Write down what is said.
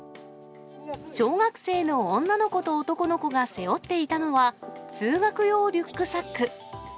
小学生の女の子と男の子が背負っていたのは、通学用リュックサック。